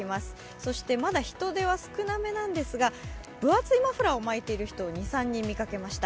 そしてまだ人出は少なめなんですが、分厚いマフラーを巻いている人を２３人見かけました。